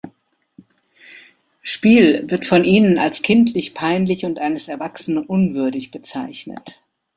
Spiel wird von ihnen als kindlich, peinlich und eines Erwachsenen unwürdig bezeichnet.